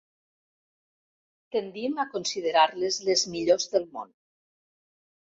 Tendim a considerar-les les millors del món.